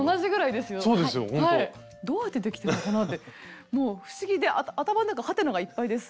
どうやってできてるのかなってもう不思議で頭の中ハテナがいっぱいです。